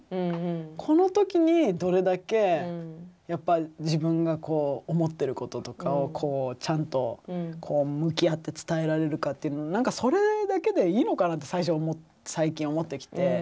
この時にどれだけやっぱ自分が思ってることとかをこうちゃんと向き合って伝えられるかっていうの何かそれだけでいいのかなって最近思ってきて。